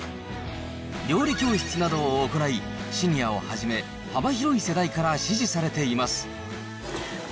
料理教室などを行い、シニアをはじめ、幅広い世代から支持されています。